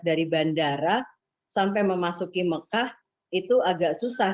dari bandara sampai memasuki mekah itu agak susah